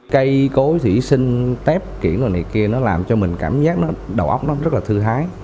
cây cối thủy sinh tép kiển này kia nó làm cho mình cảm giác đầu óc nó rất là thư hái